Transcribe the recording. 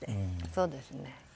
そうですね。